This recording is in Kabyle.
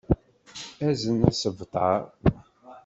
Azen asebtar.